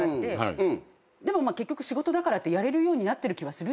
でも結局仕事だからってやれるようになってる気はする。